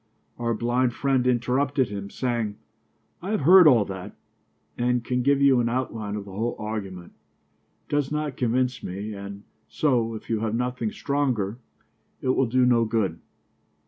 Our blind friend interrupted him, saying: "I have heard all that and can give you an outline of the whole argument. It does not convince me and so, if you have nothing stronger, it will do no good."